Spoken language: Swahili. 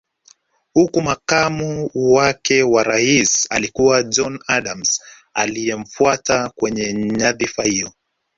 Huku makamu wake wa Rais alikuwa John Adams aliyemfuata kwenye nyadhifa hiyo